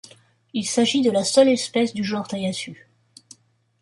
Il s'agit de la seule espèce du genre Tayassu.